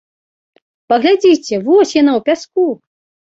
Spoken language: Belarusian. Паглядзіце, вось яна ў пяску!